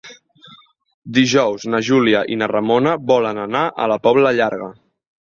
Dijous na Júlia i na Ramona volen anar a la Pobla Llarga.